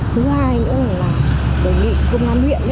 thứ hai nữa là đồng nghị công an huyện